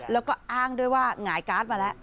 แล้วก็อ้างด้วยว่าหงายการ์ดมาแล้ว